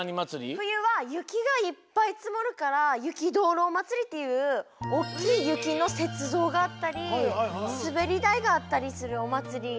ふゆはゆきがいっぱいつもるからゆきどうろうまつりっていうおっきいゆきのせつぞうがあったりすべりだいがあったりするおまつりあります。